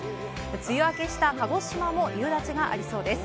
梅雨明けした鹿児島も夕立がありそうです。